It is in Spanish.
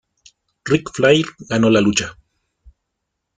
Ric Flair ganó la lucha.